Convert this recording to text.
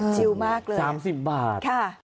ชิวมากเลย๓๐บาท